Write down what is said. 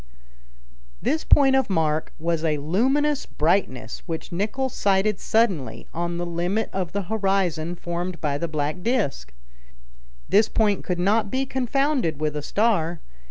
This point of mark was a luminous brightness, which Nicholl sighted suddenly, on the limit of the horizon formed by the black disc. This point could not be confounded with a star.